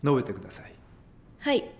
はい。